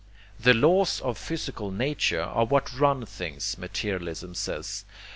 The laws of physical nature are what run things, materialism says.